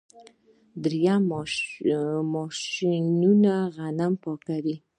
دریم ماشینونه غنم پاکوي.